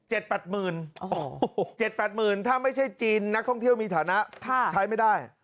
๗๘หมื่นบาท๗๘หมื่นถ้าไม่ใช่จีนนักท่องเที่ยวมีฐานะใช้ไม่ได้